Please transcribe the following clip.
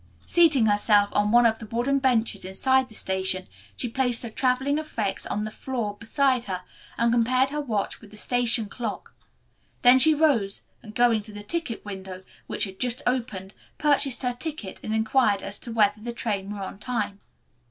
Seating herself on one of the wooden benches inside the station, she placed her traveling effects on the floor beside her and compared her watch with the station clock. Then she rose and going to the ticket window, which had just opened, purchased her ticket and inquired as to whether the train were on time.